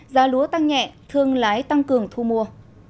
giá lúa tăng nhẹ thương lái tăng cường thu mua